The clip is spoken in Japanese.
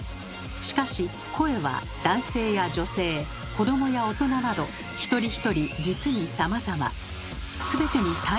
しかし声は男性や女性子供や大人など一人一人実にさまざま。